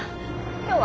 今日は。